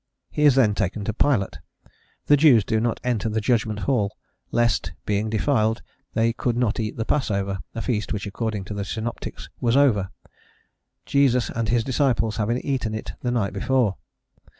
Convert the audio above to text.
He is then taken to Pilate: the Jews do not enter the judgment hall, lest, being defiled, they could not eat the passover, a feast which, according to the synoptics, was over, Jesus and his disciples having eaten it the night before.